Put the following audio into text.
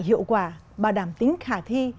hiệu quả bảo đảm tính khả thi